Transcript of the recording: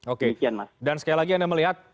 oke mas dan sekali lagi anda melihat